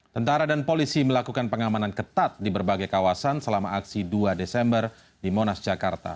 tentara dan polisi melakukan pengamanan ketat di berbagai kawasan selama aksi dua desember di monas jakarta